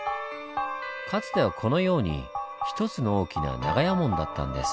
かつてはこのように一つの大きな長屋門だったんです。